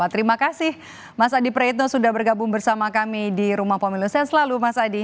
terima kasih mas adi preitno sudah bergabung bersama kami di rumah pemilu selalu